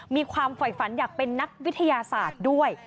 มีความฝ่ายฝันอยากเป็นนักวิทยาศาสตร์ด้วย